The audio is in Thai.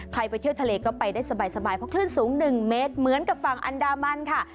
ไปเที่ยวทะเลก็ไปได้สบายเพราะคลื่นสูง๑เมตรเหมือนกับฝั่งอันดามันค่ะ